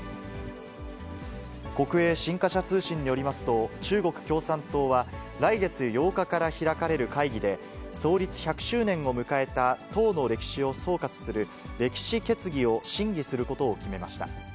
国営新華社通信によりますと、中国共産党は、来月８日から開かれる会議で、創立１００周年を迎えた党の歴史を総括する、歴史決議を審議することを決めました。